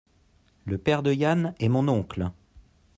le père de Yann est mon oncle.